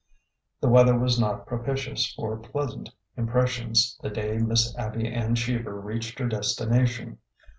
The weather was not propitious for pleasant impres sions the day Miss Abby Ann Cheever reached her desti nation.